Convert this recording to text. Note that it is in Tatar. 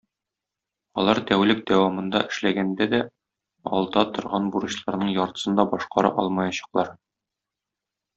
Алар тәүлек дәвамында эшләгәндә дә, алда торган бурычларның яртысын да башкара алмаячаклар.